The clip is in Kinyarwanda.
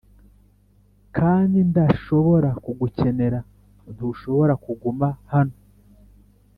kandi ndashobora kugukenera; ntushobora kuguma hano? "